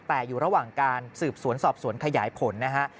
แต่อยู่ระหว่างการสืบสวนสอบสวนขยายผลนะฮะ